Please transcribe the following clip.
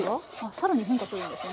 更に変化するんですね。